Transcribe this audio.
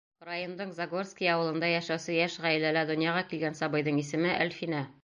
Райондың Загорский ауылында йәшәүсе йәш ғаиләлә донъяға килгән сабыйҙың исеме — Әлфинә.